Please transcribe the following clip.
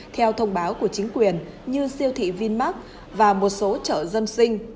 theo thông báo của chính quyền như siêu thị vinmark và một số chợ dân sinh